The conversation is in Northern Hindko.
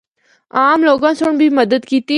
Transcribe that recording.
عام لوگاں سنڑ بھی مدد کیتی۔